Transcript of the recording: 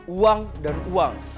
uang dan uang